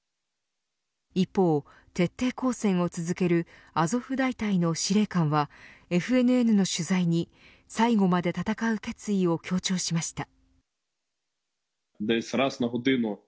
一方徹底抗戦を続けるアゾフ大隊の司令官はＦＮＮの取材に最後まで戦う決意を強調しました。